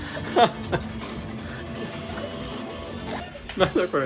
何だこれ。